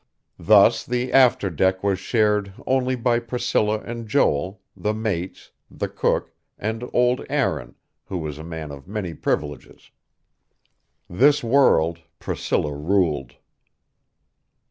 Thus the after deck was shared only by Priscilla and Joel, the mates, the cook, and old Aaron, who was a man of many privileges. This world, Priscilla ruled.